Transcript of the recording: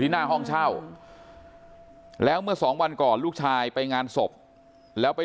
หน้าห้องเช่าแล้วเมื่อสองวันก่อนลูกชายไปงานศพแล้วไป